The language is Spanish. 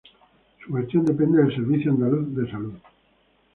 Su gestión depende del Servicio Andaluz de Salud.